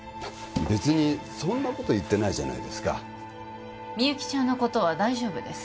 別にそんなこと言ってないじゃないですかみゆきちゃんのことは大丈夫です